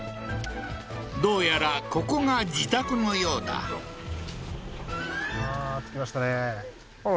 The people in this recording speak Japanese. どうやらここが自宅のようだああー着きましたね